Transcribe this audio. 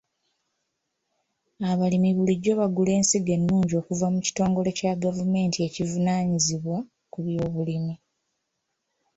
Abalimi bulijjo bagula ensigo ennungi okuva mu kitongole kya gavumenti ekivunaanyizibwa ku by'obulimi.